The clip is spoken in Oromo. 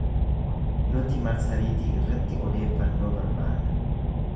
Nuti marsariitii irratti odeeffannoo barbaanna.